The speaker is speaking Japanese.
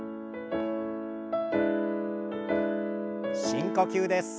深呼吸です。